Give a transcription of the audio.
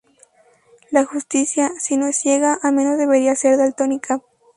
la justicia, si no es ciega, al menos debería ser daltónica